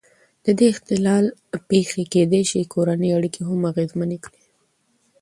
د دې اختلال پېښې کېدای شي د کورنۍ اړیکې هم اغېزمنې کړي.